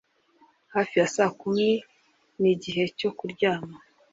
Hafi ya saa kumi Nigihe cyo kuryama